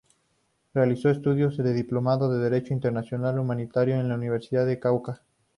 Realizó estudios de diplomado de Derecho Internacional Humanitario en la Universidad del Cauca.